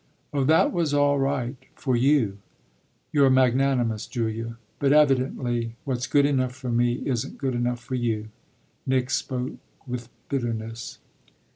"Oh that was all right for you." "You're magnanimous, Julia; but evidently what's good enough for me isn't good enough for you." Nick spoke with bitterness.